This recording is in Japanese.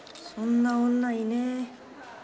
そんな女いねえ。